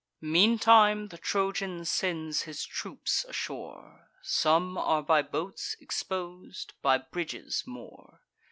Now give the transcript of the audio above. Meantime the Trojan sends his troops ashore: Some are by boats expos'd, by bridges more.